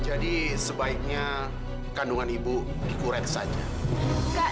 jadi sebaiknya kandungan ibu dikurek saja enggak